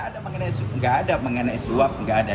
tidak ada mengenai suap tidak ada